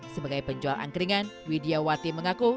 sebagai penjual angkringan widya wati mengaku